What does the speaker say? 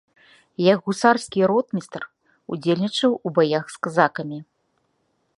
Як гусарскі ротмістр удзельнічаў у баях з казакамі.